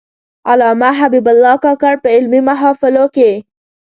علامه حبیب الله کاکړ په علمي محافلو کې.